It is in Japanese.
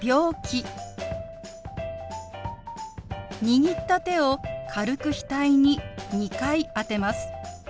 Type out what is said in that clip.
握った手を軽く額に２回当てます。